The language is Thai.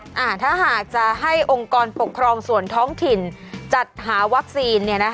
ถ้าหากจะให้องค์กรปกครองส่วนท้องถิ่นจัดหาวัคซีน